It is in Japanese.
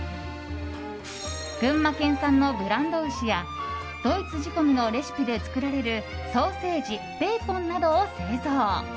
群馬県産のブランド牛やドイツ仕込みのレシピで作られるソーセージ、ベーコンなどを製造。